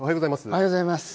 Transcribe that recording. おはようございます。